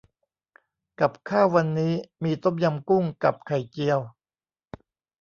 กับข้าววันนี้มีต้มยำกุ้ง กับไข่เจียว